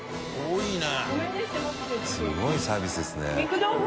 すごいサービスですね。